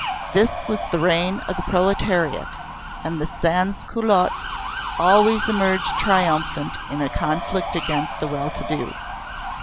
This was the reign of the proletariat, and the sans culotte always emerged triumphant in a conflict against the well to do.